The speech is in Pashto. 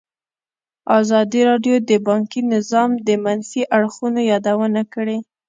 ازادي راډیو د بانکي نظام د منفي اړخونو یادونه کړې.